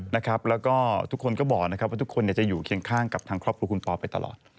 แล้วก็ทุกคนก็บอกนะครับว่าทุกคนจะอยู่เคียงข้างกับทางครอบครัวคุณปอไปตลอด